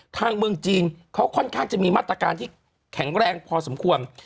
ทางเมืองจีนเขาค่อนข้างจะมีมาตรการที่แข็งแรงพอสมควร